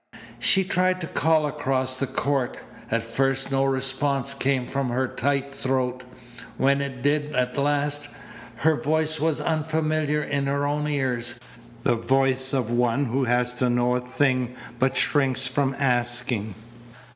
She tried to call across the court. At first no response came from her tight throat. When it did at last, her voice was unfamiliar in her own ears, the voice of one who has to know a thing but shrinks from asking.